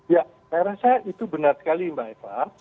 ya saya rasa itu benar sekali mbak eva